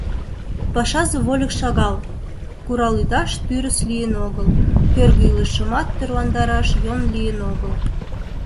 Пашазе вольык шагал, курал-ӱдаш тӱрыс лийын огыл, кӧргӧ илышымат тӧрландараш йӧн лийын огыл.